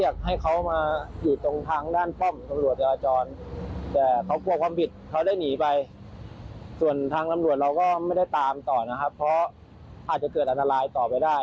ส่วนทางน้ำรวจเราก็ไม่ได้ตามต่อนะครับเพราะอาจจะเกิดอันตรายต่อไปได้